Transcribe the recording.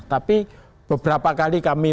tapi beberapa kali kami